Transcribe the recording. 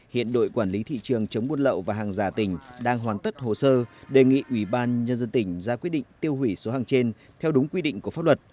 hiện đội quản lý thị trường chống buôn lậu và hàng giả tỉnh đang hoàn tất hồ sơ đề nghị ủy ban nhân dân tỉnh ra quyết định tiêu hủy số hàng trên theo đúng quy định của pháp luật